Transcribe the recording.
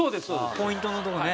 ポイントのところね。